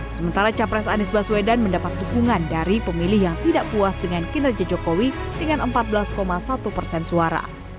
sementara capres anies baswedan mendapat dukungan dari pemilih yang tidak puas dengan kinerja jokowi dengan empat belas satu persen suara